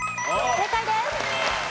正解です。